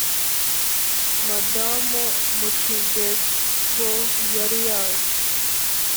madamu mcgrego yari yaje